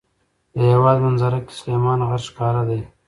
د هېواد منظره کې سلیمان غر ښکاره دی.